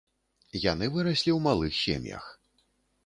Яны выраслі ў малых сем'ях.